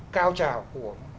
cao trào của